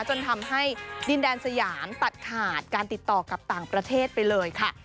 จนทำให้ดินแดนสยามตัดขาดการติดต่อกับต่างประเทศไปเลยค่ะ